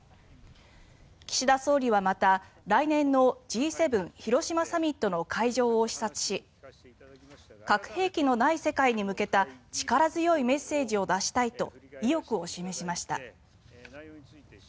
岸田総理はまた来年のＧ７広島サミットの会場を視察し核兵器のない世界に向けた力強いメッセージを出したいと意欲を示しました。